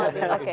kurang lebih oke